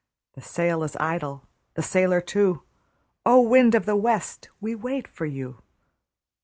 The sail is idle, the sailor too; O! wind of the west, we wait for you.